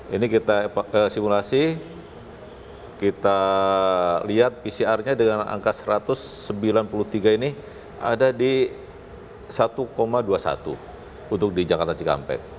ini kita simulasi kita lihat pcr nya dengan angka satu ratus sembilan puluh tiga ini ada di satu dua puluh satu untuk di jakarta cikampek